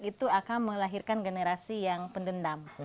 itu akan melahirkan generasi yang pendendam